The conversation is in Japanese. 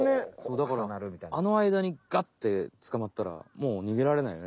だからねあのあいだにガッてつかまったらもうにげられないよね